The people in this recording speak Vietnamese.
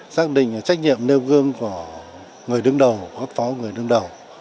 xác định trách nhiệm nêu gương của người đứng đầu cấp phó người đứng đầu